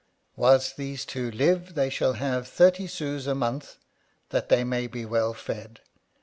Whilst these two live, they shall have thirty sous a month, that they may be well fed.